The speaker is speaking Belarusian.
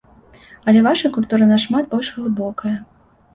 Але ваша культура нашмат больш глыбокая.